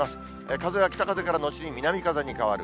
風は北風から後に南風に変わる。